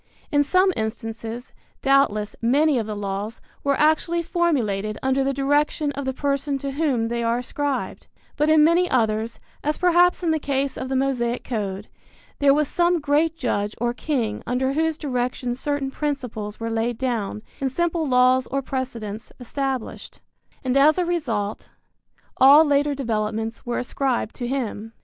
In some instances, doubtless, many of the laws were actually formulated under the direction of the person to whom they are ascribed; but in many others, as perhaps in the case of the Mosaic code, there was some great judge or king under whose direction certain principles were laid down and simple laws or precedents established, and as a result all later developments were ascribed to him.